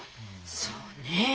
そうね。